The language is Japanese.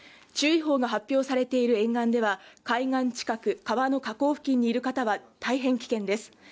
注意報が発表されている沿岸では海岸近く、川の河口付近にいる方は大変危険です。